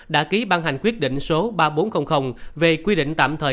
đã ký ban hành quyết định số ba nghìn bốn trăm linh về quy định tạm thời